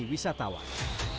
pemimpinan paya kumbuh